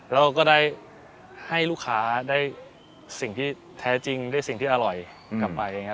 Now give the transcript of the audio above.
เราก็ได้ให้ลูกค้าได้สิ่งที่แท้จริงได้สิ่งที่อร่อยกลับไป